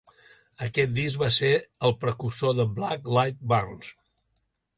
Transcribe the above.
Aquest disc va ser el precursor de Black Light Burns.